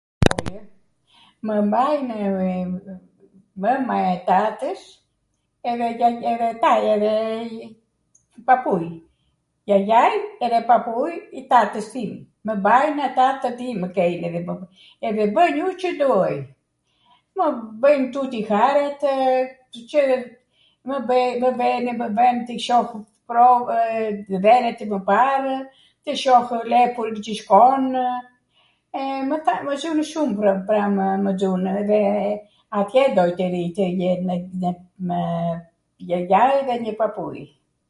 mw marnw mwma e tatws, edhe taja papui, jajai edhe papui .i tatws tim. mw mbajnw ata edhe tw pimw kejmw edhe bwnj u Cw doj, mw bwjn tuti haretw, mw bwjn ti shoh prov... dhenwtw pwrparw, tw shohw ljepur qw shkonw, mw nxunw shumw pram mw nxunw edhe atje doj tw rij, ne jajai edhe ne papui.